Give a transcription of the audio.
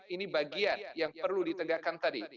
ini bagian yang perlu ditegakkan tadi